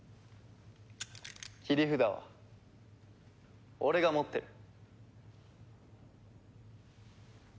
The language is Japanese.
切り札は俺が持ってる。